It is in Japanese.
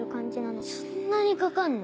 そんなにかかんの？